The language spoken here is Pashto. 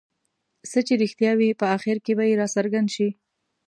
څه چې رښتیا وي په اخر کې به یې راڅرګند شي.